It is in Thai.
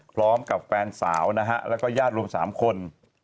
พร้อมกับแฟนสาวนะฮะแล้วก็ญาติรวม๓คน